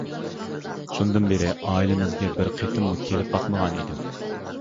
شۇندىن بېرى ئائىلىمىزگە بىر قېتىممۇ كېلىپ باقمىغان ئىدىم.